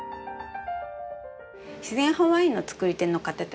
自然派ワインのつくり手の方たちって